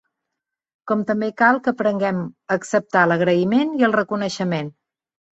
Com també cal que aprenguem a acceptar l’agraïment i el reconeixement.